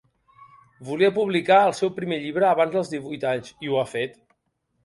Volia publicar el seu primer llibre abans dels divuit anys i ho ha fet.